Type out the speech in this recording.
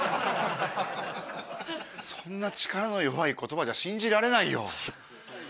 そんな力の弱い言葉じゃ信じられないよ。